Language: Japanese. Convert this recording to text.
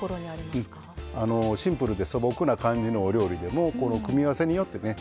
シンプルで素朴な感じのお料理でも組み合わせによってね